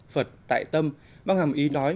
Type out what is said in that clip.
phật tại tâm mang hàm ý nói